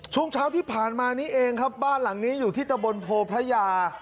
ช่วงเช้าที่ผ่านมานี้เองครับบ้านหลังนี้อยู่ที่ตะบนโพพระยา